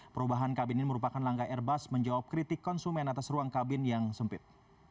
perubahan kabin ini merupakan langkah airbus menjawab kritik konsumen atas ruang kabin yang sempit